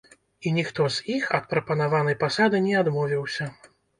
І ніхто з іх ад прапанаванай пасады не адмовіўся.